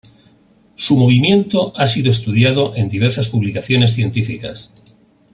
Su movimiento ha sido estudiado en diversas publicaciones científicas.